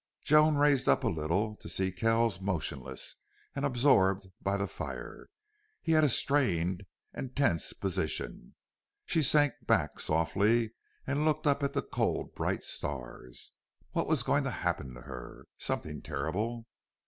Joan raised up a little to see Kells motionless and absorbed by the fire. He had a strained and tense position. She sank back softly and looked up at the cold bright stars. What was going to happen to her? Something terrible!